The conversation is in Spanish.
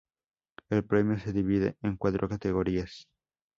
El premio se divide en cuatro categorías.